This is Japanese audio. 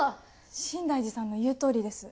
慎大寺さんの言うとおりです。